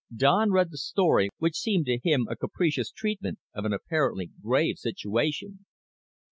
Don read the story, which seemed to him a capricious treatment of an apparently grave situation.